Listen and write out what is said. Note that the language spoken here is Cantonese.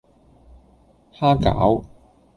蝦餃